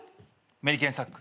メリケンサック。